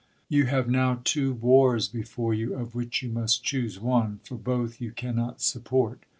YOU have now two wars before you, of which you must choose one, for both you cannot support.